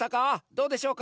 どうでしょうか？